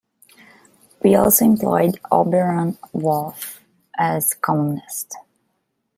He also employed Auberon Waugh as a columnist.